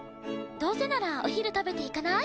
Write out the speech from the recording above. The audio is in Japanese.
どうせならお昼食べていかない？